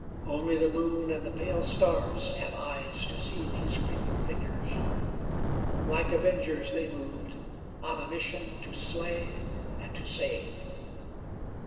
Only the moon and the pale stars had eyes to see these creeping figures. Like avengers they moved, on a mission to slay and to save!